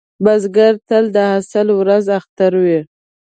بزګر ته د حاصل ورځ اختر وي